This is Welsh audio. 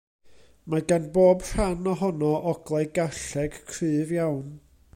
Mae gan bob rhan ohono oglau garlleg cryf iawn.